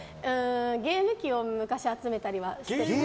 ゲーム機を昔集めたりはしてました。